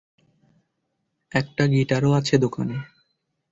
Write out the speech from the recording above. একটা গিটারও আছে দোকানে।